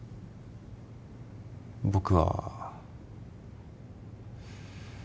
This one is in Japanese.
僕は。